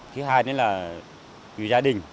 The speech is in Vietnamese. thứ hai nữa là vì gia đình